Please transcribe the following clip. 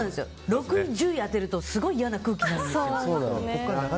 ６位、１０位当てるとすごい嫌な空気になる。